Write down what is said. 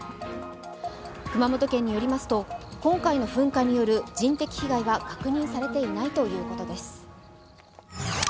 熊本県によりますと今回の噴火による人的被害は確認されていないということです。